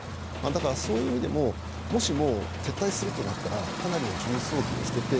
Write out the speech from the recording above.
だからそういう意味でももしも撤退するとなったらかなりの重装備を捨てて。